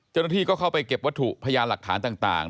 เจ้าหน้าที่ก็เข้าไปเก็บวัตถุพยานหลักฐานต่าง